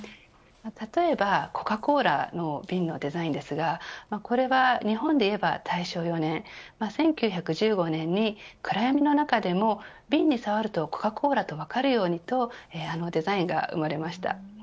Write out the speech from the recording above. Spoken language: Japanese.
例えばコカ・コーラの瓶のデザインですがこれは日本でいえば大正４年１９１５年に、暗闇の中でも瓶に触るとコカ・コーラと分かるようにとあのデザインが生まれました。